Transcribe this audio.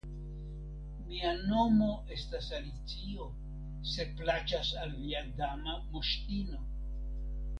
Mia nomo estas Alicio, se plaĉas al via Dama Moŝtino.